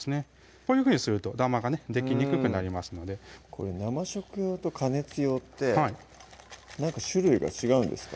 こういうふうにするとダマがねできにくくなりますので生食用と加熱用って何か種類が違うんですか？